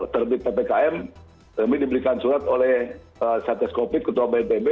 terlebih ppkm kami diberikan surat oleh syarjah skokit ketua bnpb